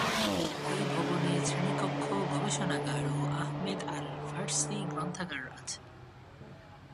এই ভবনে শ্রেণীকক্ষ, গবেষণাগার ও আহমেদ আল-ফার্সি গ্রন্থাগার আছে।